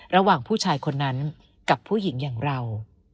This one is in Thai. ระหว่างผู้ชายคนนั้นกับผู้หญิงอย่างเรา